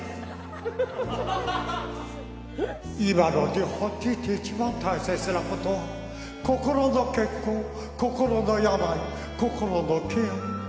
今の日本人に一番大切なことは心の健康、心の病心のケア。